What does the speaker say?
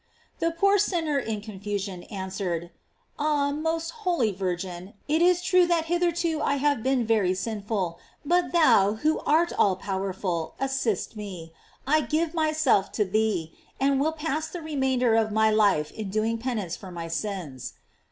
The poor sinner in confusion, answered: "Ah, most holy Virgin, it is true that hitherto I have been very sinful, but thou, who art all powerful, assist me; I give my self to thee, and will pass the remainder of my life in doing penance for my sins."